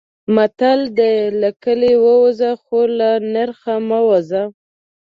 متل دی: له کلي ووځه خو له نرخه مه وځه.